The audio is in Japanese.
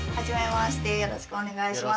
よろしくお願いします。